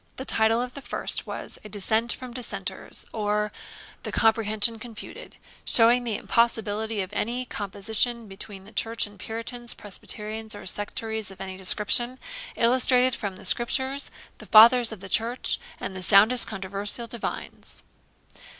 The title of the first was 'A Dissent from Dissenters, or the Comprehension confuted; showing the Impossibility of any Composition between the Church and Puritans, Presbyterians, or Sectaries of any Description; illustrated from the Scriptures, the Fathers of the Church, and the soundest Controversial Divines.'